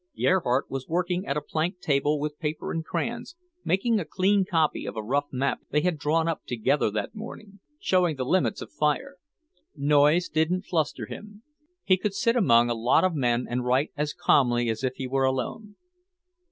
Gerhardt was working at a plank table with paper and crayons, making a clean copy of a rough map they had drawn up together that morning, showing the limits of fire. Noise didn't fluster him; he could sit among a lot of men and write as calmly as if he were alone.